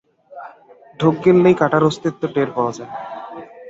ঢোক গিললেই কাঁটার অস্তিত্ব টের পাওয়া যায়।